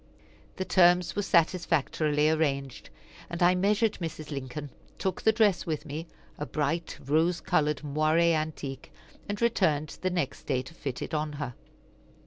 The terms were satisfactorily arranged, and I measured Mrs. Lincoln, took the dress with me, a bright rose colored moiré antique, and returned the next day to fit it on her.